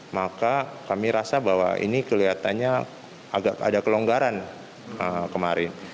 maka kami rasa bahwa ini kelihatannya agak ada kelonggaran kemarin